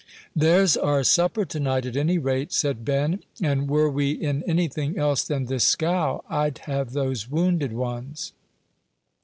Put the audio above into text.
"There's our supper to night, at any rate," said Ben; "and were we in anything else than this scow, I'd have those wounded ones."